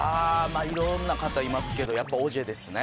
あ色んな方いますけどやっぱりオジエですね。